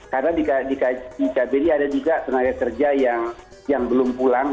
karena di kbri ada juga tenaga kerja yang belum pulang